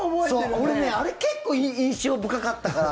俺、あれ結構印象深かったから。